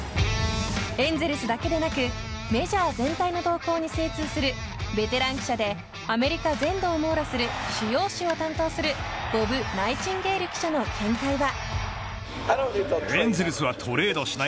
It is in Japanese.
エンゼルスだけでなくメジャー全体の動向に精通するベテラン記者でアメリカ全土を網羅する主要紙を担当するボブ・ナイチンゲール記者の会見は。